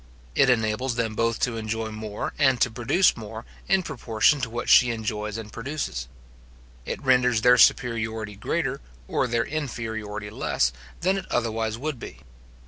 It enables them both to enjoy more and to produce more, in proportion to what she enjoys and produces. It renders their superiority greater, or their inferiority less, than it otherwise would be.